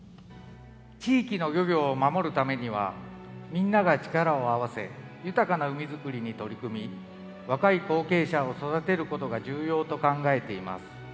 地域の漁業を守るためにはみんなが力を合わせ豊かな海づくりに取り組み若い後継者を育てることが重要と考えています。